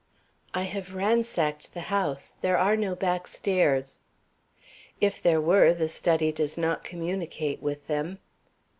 "I have ransacked the house; there are no back stairs." "If there were, the study does not communicate with them."